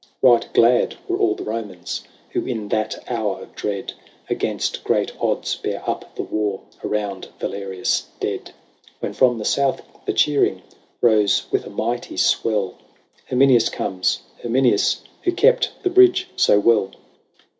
Right glad were all the Romans Who, in that hour of dread. Against great odds bare up the war Around Valerius dead. When from the south the cheering Rose with a mighty swell ;" Herminius comes, Herminius, Who kept the bridge so well